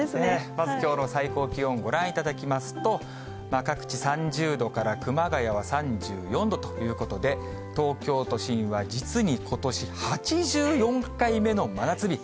まず、きょうの最高気温、ご覧いただきますと、各地３０度から、熊谷は３４度ということで、東京都心は実にことし８４回目の真夏日。